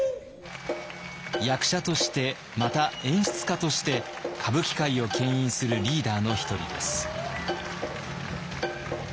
役者としてまた演出家として歌舞伎界をけん引するリーダーの１人です。